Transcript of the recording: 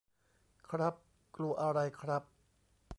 ครับ กลัวอะไรครับ ?